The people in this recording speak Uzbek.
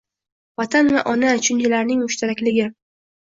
«Vatan» va «ona» tushunchalarining mushtarakligi